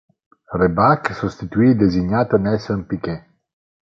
Rebaque sostituì il designato Nelson Piquet.